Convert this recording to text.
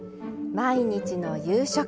毎日の夕食。